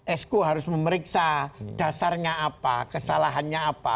esko harus memeriksa dasarnya apa kesalahannya apa